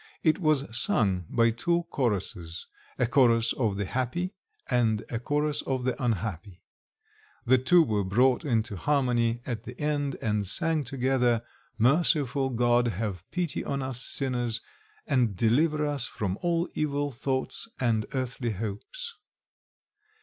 It was sung by two choruses a chorus of the happy and a chorus of the unhappy. The two were brought into harmony at the end, and sang together, "Merciful God, have pity on us sinners, and deliver us from all evil thoughts and earthly hopes."